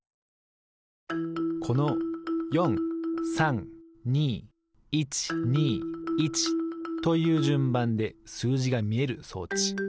この４３２１２１というじゅんばんですうじがみえる装置。